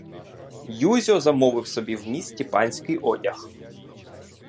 Юзьо замовив собі в місті панський одяг.